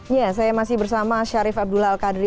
ya saya masih bersama syarif abdul al qadri